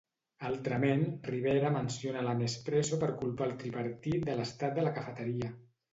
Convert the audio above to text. Altrament, Rivera menciona la Nespresso per culpar el tripartit de l'estat de la cafeteria.